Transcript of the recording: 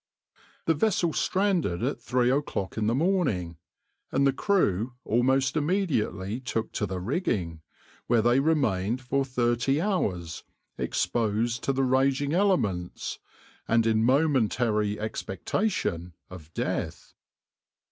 The vessel stranded at three o'clock in the morning, and the crew almost immediately took to the rigging, where they remained for thirty hours exposed to the raging elements, and in momentary expectation of death.